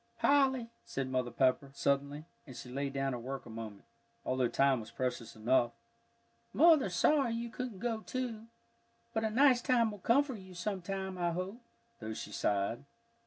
"Polly," said Mother Pepper, suddenly, and she laid down her work a moment, although time was precious enough, "Mother's sorry you couldn't go, too. But a nice time will come for you sometime, I hope," though she sighed.